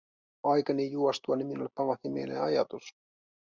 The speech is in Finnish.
Aikani juostuani minulle pamahti mieleen ajatus: